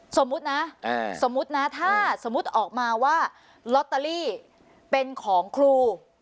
สมมุตินะสมมุตินะถ้าสมมุติออกมาว่าเป็นของครู